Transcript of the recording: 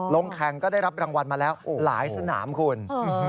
ลงแข่งก็ได้รับรางวัลมาแล้วหลายสนามคุณ